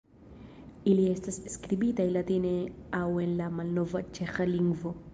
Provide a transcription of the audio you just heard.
Ili estas skribitaj latine aŭ en la malnova ĉeĥa lingvo.